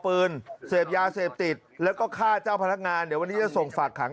ปืนเสพยาเสพติดแล้วก็ฆ่าเจ้าพนักงานเดี๋ยววันนี้จะส่งฝากขัง